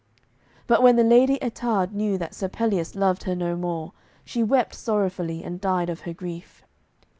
But when the Lady Ettarde knew that Sir Pelleas loved her no more, she wept sorrowfully, and died of her grief.